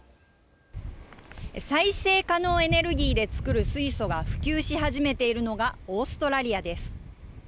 再生可能エネルギーで作る水素が普及し始めているのがオーストラリアです。